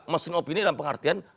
mesin opini dalam pengertian